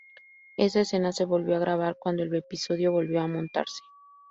Esa escena se volvió a grabar cuando el episodio volvió a montarse.